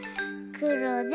くろで？